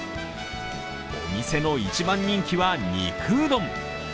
お店の一番人気は肉うどん。